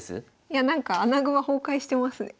いやなんか穴熊崩壊してますね。